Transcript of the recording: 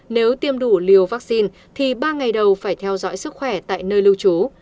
nếu tiêm đủ liều vaccine thì ba ngày đầu phải theo dõi sức khỏe tại nơi lưu trú